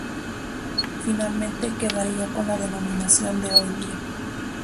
Finalmente quedaría con la denominación de hoy día.